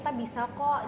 tersebut sakala persis